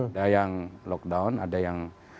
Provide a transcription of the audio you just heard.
ada yang lockdown ada yang